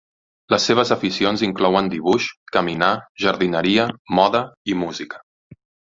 Les seves aficions inclouen dibuix, caminar, jardineria, moda, i música.